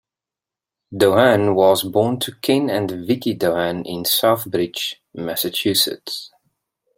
Doane was born to Ken and Vickie Doane in Southbridge, Massachusetts.